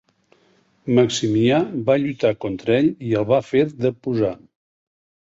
Maximià va lluitar contra ell i el va fer deposar.